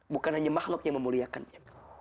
bukan hanya makhluk yang memuliakannya